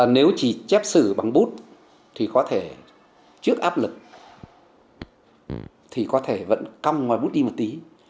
nếu chỉ chép xử bằng bút thì có thể trước áp lực thì có thể vẫn căm ngoài bút đi một tí